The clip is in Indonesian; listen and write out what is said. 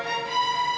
aku mau bantu nia